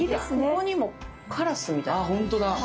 ここにもカラスみたいなのいますよ。